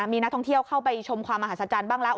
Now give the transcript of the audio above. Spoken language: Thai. มีนักท่องเที่ยวเข้าไปชมความอาหารสัจจันทร์บ้างแล้ว